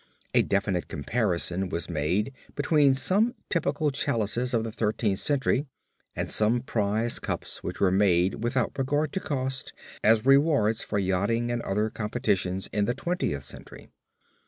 A definite comparison, was made between some typical chalices of the Thirteenth Century and some prize cups which were made without regard to cost, as rewards for yachting and other competitions in the Twentieth Century.